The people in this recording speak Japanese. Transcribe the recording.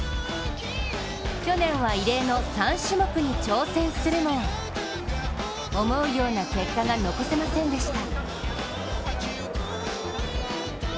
去年は異例の３種目に挑戦するも、思うような結果が残せませんでした。